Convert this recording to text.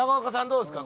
どうですか？